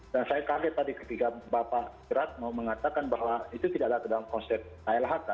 dan saya kaget tadi ketika bapak wiratno mengatakan bahwa itu tidak ada dalam konsep klhk